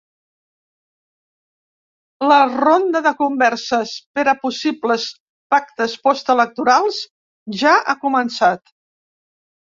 La ronda de converses per a possibles pactes postelectorals ja ha començat.